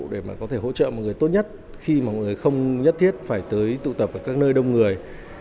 để mà có thể hỗ trợ mọi người tốt nhất khi mà mọi người không nhất thiết phải tới tụ tập ở các nơi đông người